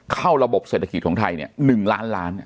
เข้าระบบเศรษฐกิจของไทย๑ล้านล้าน